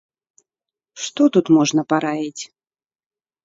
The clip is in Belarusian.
Што тут можна параіць?